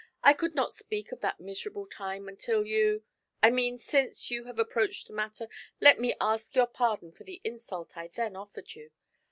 I could not speak of that miserable time until you I mean since you have approached the matter, let me ask your pardon for the insult I then offered you.